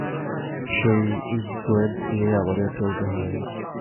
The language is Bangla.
সেই ইনফ্লুয়েন্স নিয়েই আমাদের চলতে হয়।